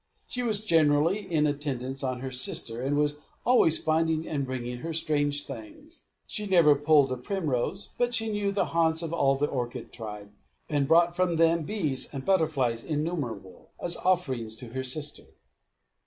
She was generally in attendance on her sister, and was always finding and bringing her strange things. She never pulled a primrose, but she knew the haunts of all the orchis tribe, and brought from them bees and butterflies innumerable, as offerings to her sister.